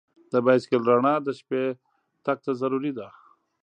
د بایسکل رڼا د شپې تګ ته ضروري ده.